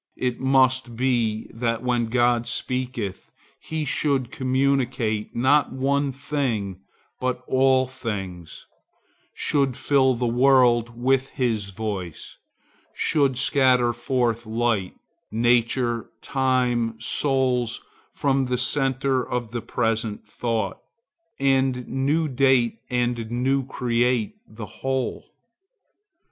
It must be that when God speaketh he should communicate, not one thing, but all things; should fill the world with his voice; should scatter forth light, nature, time, souls, from the centre of the present thought; and new date and new create the whole.